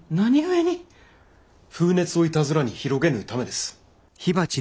風熱をいたずらに広げぬためです。